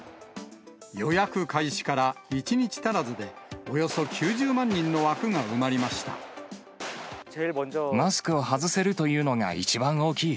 予約開始から１日足らずで、およそ９０万人の枠が埋まりましマスクを外せるというのが一番大きい。